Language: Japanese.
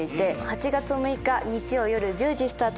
８月６日日曜よる１０時スタートです。